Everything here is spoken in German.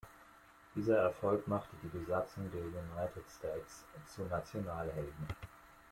Dieser Erfolg machte die Besatzung der "United States" zu Nationalhelden.